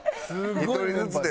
１人ずつで全然。